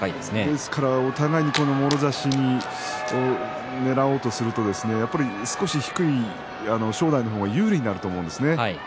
ですから、お互いにもろ差しをねらおうとすると少し低い正代の方が有利になると思うんですね。